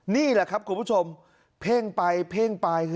นี่แหละครับคุณผู้ชมเพ่งไปเพ่งไป